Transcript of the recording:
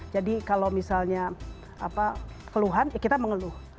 jadi kalau misalnya keluhan kita mengeluh